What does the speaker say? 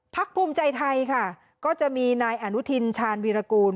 ภูมิใจไทยค่ะก็จะมีนายอนุทินชาญวีรกูล